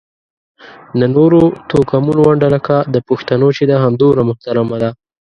د نورو توکمونو ونډه لکه د پښتنو چې ده همدومره محترمه ده.